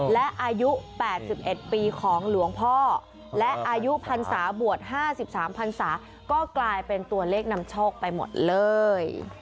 และอายุ๘๑ปีของหลวงพ่อและอายุพันศาบวช๕๓พันศาก็กลายเป็นตัวเลขนำโชคไปหมดเลย